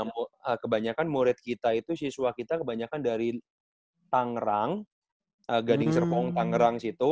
kebanyakan murid kita itu siswa kita kebanyakan dari tangerang gading serpong tangerang situ